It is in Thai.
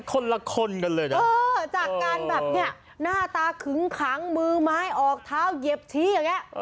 คนละคนกันเลยนะเออจากการแบบเนี่ยหน้าตาขึ้งขังมือไม้ออกเท้าเหยียบชี้อย่างนี้